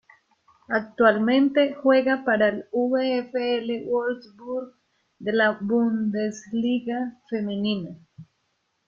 Actualmente juega para el VfL Wolfsburg de la Bundesliga femenina.